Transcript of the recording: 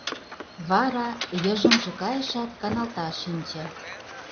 Вара, йыжыҥже кайышат, каналташ шинче.